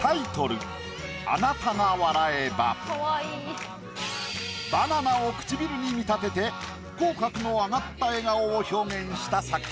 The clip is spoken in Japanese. タイトルバナナを唇に見立てて口角の上がった笑顔を表現した作品。